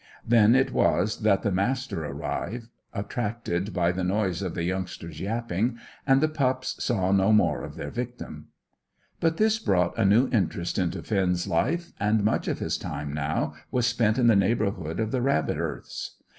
Then it was that the Master arrived, attracted by the noise of the youngsters' yapping, and the pups saw no more of their victim. But this brought a new interest into Finn's life, and much of his time now was spent in the neighbourhood of the rabbit earths.